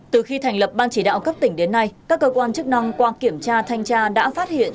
từ khi thành lập ban chỉ đạo cấp tỉnh đến nay các cơ quan chức năng qua kiểm tra thanh tra đã phát hiện